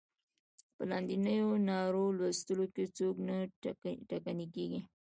په لاندنیو نارو لوستلو کې څوک نه ټکنی کیږي.